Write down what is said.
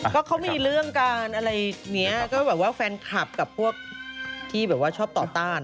ก็เขามีเรื่องกันอะไรอย่างนี้ก็แบบว่าแฟนคลับกับพวกที่แบบว่าชอบต่อต้าน